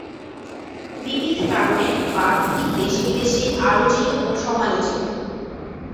বিবিধ কারণে বাঁধটি দেশে বিদেশে আলোচিত ও সমালোচিত।